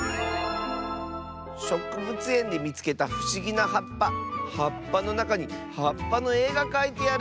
「しょくぶつえんでみつけたふしぎなはっぱはっぱのなかにはっぱのえがかいてある！」。